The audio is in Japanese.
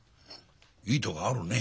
いいとこあるね。